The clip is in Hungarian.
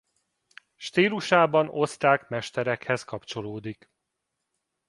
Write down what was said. Stílusában osztrák mesterekhez kapcsolódik.